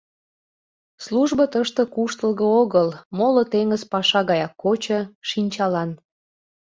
Службо тыште куштылго огыл, моло теҥыз паша гаяк кочо, шинчалан.